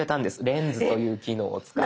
「レンズ」という機能を使って。